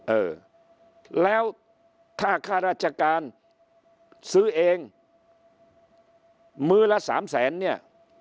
เออแล้วถ้าข้าราชการซื้อเองมื้อละสามแสนเนี่ย